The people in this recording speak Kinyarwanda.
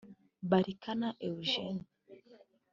Barikana Eugene